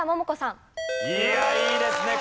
いやいいですね。